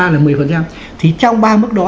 là một mươi thì trong ba mức đó